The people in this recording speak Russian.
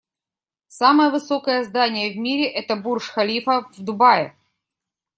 Самое высокое здание в мире - это Бурдж Халифа в Дубае.